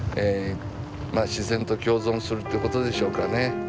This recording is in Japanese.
自然と共存するってことでしょうかね。